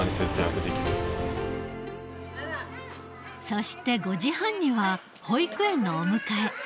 そして５時半には保育園のお迎え。